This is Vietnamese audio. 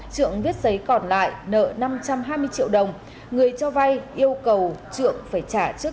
trượng biết giấy còn lại nợ năm trăm hai mươi triệu đồng người cho vay yêu cầu trượng phải trả trước